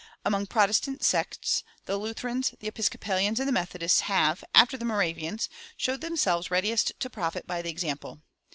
Among Protestant sects the Lutherans, the Episcopalians, and the Methodists have (after the Moravians) shown themselves readiest to profit by the example.